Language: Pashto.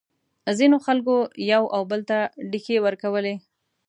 ځینو خلکو یو او بل ته ډیکې ورکولې.